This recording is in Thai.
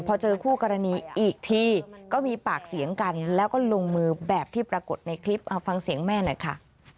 พอเจอคู่กรณีอีกทีก็มีปากเสียงกันแล้วก็ลงมือแบบที่ปรากฏในคลิปเอาฟังเสียงแม่หน่อยค่ะ